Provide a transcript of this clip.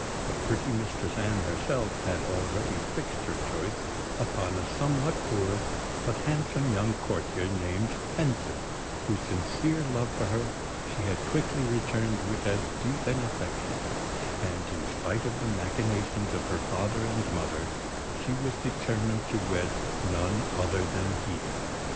But pretty Mistress Anne herself had already fixed her choice upon a somewhat poor, but handsome young courtier named Fenton, whose sincere love for her she had quickly returned with as deep an affection; and, in spite of the machinations of her father and mother, she was determined to wed none other than he.